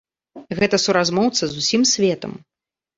Гэта суразмоўца з усім светам.